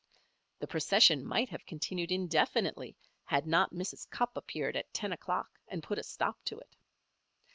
The procession might have continued indefinitely had not Mrs. Cupp appeared at ten o'clock and put a stop to it.